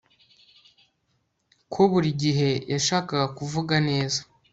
ko buri gihe yashakaga kuvuga neza